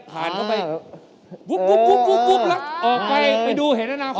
ผ่านเข้าไปปุ๊บแล้วออกไปไปดูเห็นอนาคต